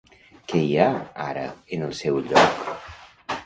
Què hi ha ara en el seu lloc?